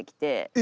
え